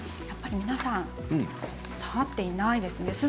やっぱり皆さん下がっていないですね。